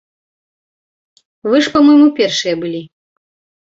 Вы ж па-мойму першыя былі.